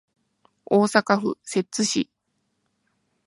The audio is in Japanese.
大阪府摂津市